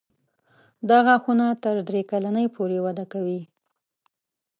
دا غاښونه تر درې کلنۍ پورې وده کوي.